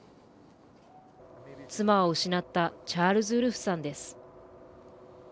妻を失ったチャールズ・ウルフさんです。